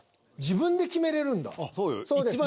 自分で決めれるんだ。